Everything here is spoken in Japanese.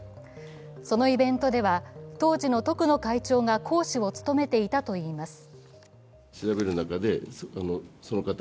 そのイベントでは当時の徳野会長が講師を務めていたといいます。